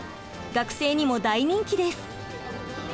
学生にも大人気です。